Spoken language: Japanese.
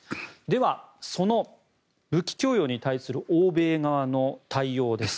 では、その武器供与に対する欧米側の対応です。